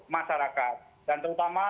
masyarakat dan terutama